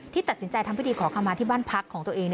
ตัดสินใจทำพิธีขอคำมาที่บ้านพักของตัวเอง